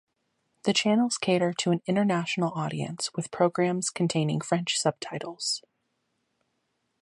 The channels cater to an international audience, with programmes containing French subtitles.